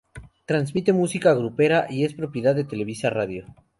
Transmite música grupera y es Propiedad de Televisa Radio.